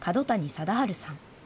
貞治さん。